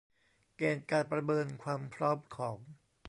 เกณฑ์การประเมินความพร้อมของ